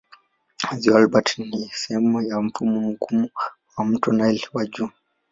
Ziwa Albert ni sehemu ya mfumo mgumu wa mto Nile wa juu.